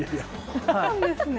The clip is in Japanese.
そうなんですね。